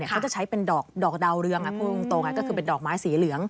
เขาจะใช้เป็นดอกดาวเรืองพูดตรงก็คือเป็นดอกไม้สีเหลือง